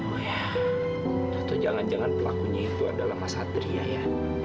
oh ya toh jangan jangan pelakunya itu adalah mas satri ya